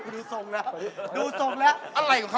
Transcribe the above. ดูสมละ